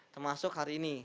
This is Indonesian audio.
termasuk hari ini